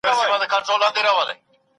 مالکیت حقوقو د پانګوالو باور زیات کړی و.